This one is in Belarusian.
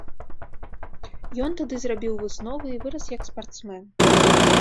Ён тады зрабіў высновы і вырас як спартсмен.